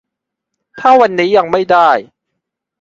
ถ้าวันนี้ยังไม่ได้